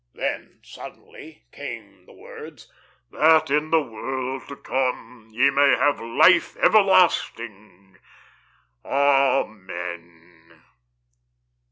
Then suddenly came the words: "... That in the world to come ye may have life everlasting. Amen."